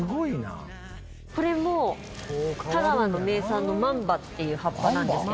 これも香川の名産のまんばっていう葉っぱなんですけどね。